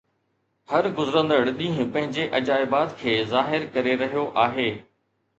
هر گذرندڙ ڏينهن پنهنجي عجائبات کي ظاهر ڪري رهيو آهي.